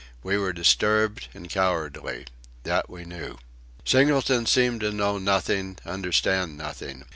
We were disturbed and cowardly. That we knew. Singleton seemed to know nothing, understand nothing.